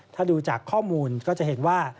ถ้าดูจากข้อมูลก็จะเห็นว่า